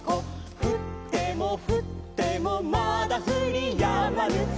「ふってもふってもまだふりやまぬ」